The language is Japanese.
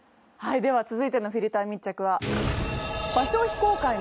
では続いてのフィルター密着は。